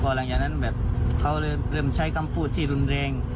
หลังจากนั้นแบบเขาเลยเริ่มใช้คำพูดที่รุนแรง